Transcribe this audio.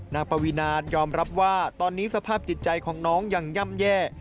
ปวีนายอมรับว่าตอนนี้สภาพจิตใจของน้องยังย่ำแย่